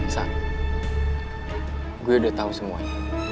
sa gue udah tau semuanya